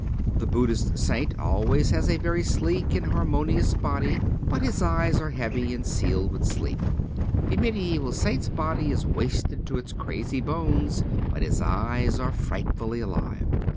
The Buddhist saint always has a very sleek and har monious body, but his eyes are heavy and sealed with sleep. The medieval saint's body is wasted to its crazy bones, but his eyes are frightfully alive.